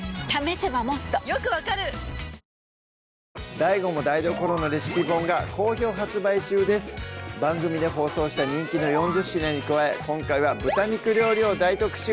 ＤＡＩＧＯも台所のレシピ本が好評発番組で放送した人気の４０品に加え今回は豚肉料理を大特集